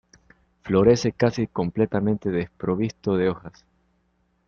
Florece casi completamente desprovisto de hojas.